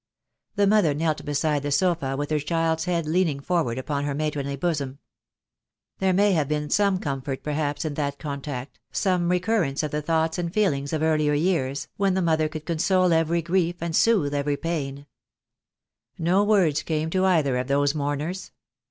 The mother knelt beside the sofa with her child's head leaning forward upon her matronly bosom. There may have been some comfort perhaps in that contact, some recurrence of the thoughts and feelings of earlier years, when the mother could console every grief and soothe I I 2 THE DAY WILL COME. every pain. No words came to either of those mourners.